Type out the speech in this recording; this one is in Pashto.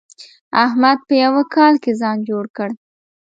احمد په يوه کال کې ځان جوړ کړ.